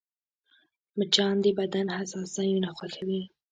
مچان د بدن حساس ځایونه خوښوي